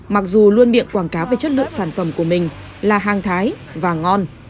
mặc dù luôn miệng quảng cáo về chất lượng sản phẩm của mình là hàng thái và ngon